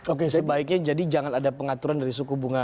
oke sebaiknya jadi jangan ada pengaturan dari suku bunga